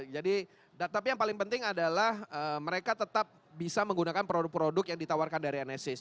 jadi tapi yang paling penting adalah mereka tetap bisa menggunakan produk produk yang ditawarkan dari anesthesia